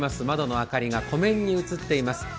窓の明かりが湖面に映っています。